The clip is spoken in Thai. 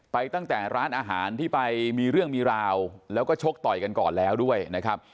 ตั้งแต่ร้านอาหารที่ไปมีเรื่องมีราวแล้วก็ชกต่อยกันก่อนแล้วด้วยนะครับ